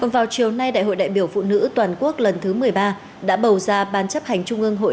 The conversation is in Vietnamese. vào chiều nay đại hội đại biểu phụ nữ toàn quốc lần thứ một mươi ba đã bầu ra ban chấp hành trung ương hội